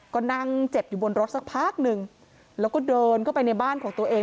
ก็นั่งเจ็บอยู่บนรถสักพักหนึ่งแล้วก็เดินเข้าไปในบ้านของตัวเอง